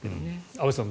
安部さん